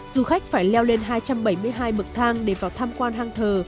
du khách phải leo lên hai trăm bảy mươi hai bậc thang để vào tham quan hang thờ